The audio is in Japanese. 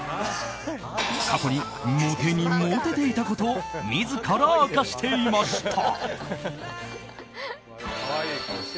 過去に、モテにモテていたことを自ら明かしていました。